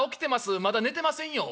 まだ寝てませんよ」。